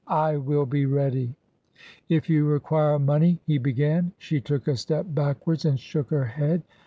I will be ready." If you require money " he began. She took a step backwards and shook her head.